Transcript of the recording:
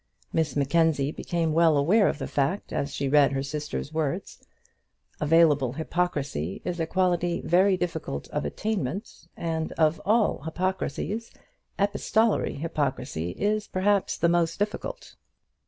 Miss Mackenzie became well aware of the fact as she read her sister's words. Available hypocrisy is a quality very difficult of attainment and of all hypocrisies, epistolatory hypocrisy is perhaps the most difficult.